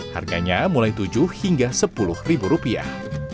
harganya mulai tujuh hingga sepuluh ribu rupiah